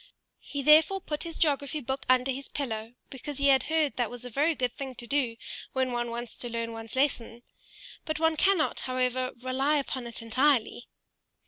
He therefore put his geography book under his pillow, because he had heard that was a very good thing to do when one wants to learn one's lesson; but one cannot, however, rely upon it entirely.